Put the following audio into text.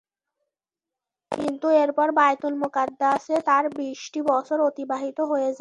কিন্তু এরপর বায়তুল মুকাদ্দাসে তার বিশটি বছর অতিবাহিত হয়ে যায়।